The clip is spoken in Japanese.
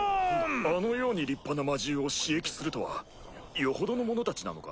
・あのように立派な魔獣を使役するとはよほどの者たちなのか？